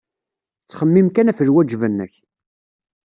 Ttxemmim kan ɣef lwajeb-nnek.